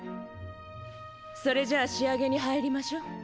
それじゃ仕上げに入りましょ。